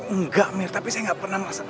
enggak mir tapi saya nggak pernah masak